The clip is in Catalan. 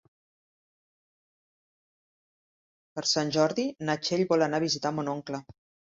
Per Sant Jordi na Txell vol anar a visitar mon oncle.